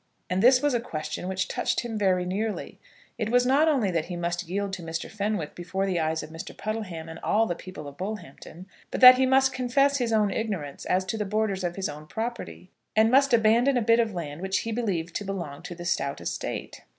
And this was a question which touched him very nearly. It was not only that he must yield to Mr. Fenwick before the eyes of Mr. Puddleham and all the people of Bullhampton; but that he must confess his own ignorance as to the borders of his own property, and must abandon a bit of land which he believed to belong to the Stowte estate.